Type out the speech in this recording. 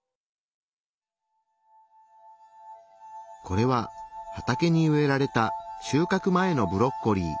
これは畑に植えられた収かく前のブロッコリー。